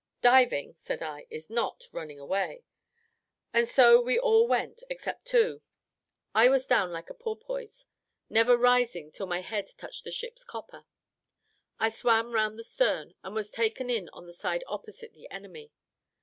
"Diving," said I, "is not running away;" so over we all went, except two. I was down like a porpoise never rising till my head touched the ship's copper. I swam round the stern, and was taken in on the side opposite the enemy.